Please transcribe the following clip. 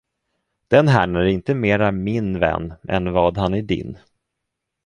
Den herrn är inte mera min vän, än vad han är din.